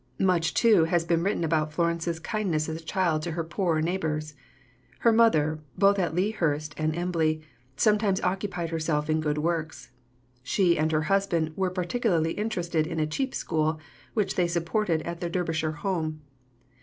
Much, too, has been written about Florence's kindness as a child to her poorer neighbours. Her mother, both at Lea Hurst and at Embley, sometimes occupied herself in good works. She and her husband were particularly interested in a "cheap school" which they supported at their Derbyshire home.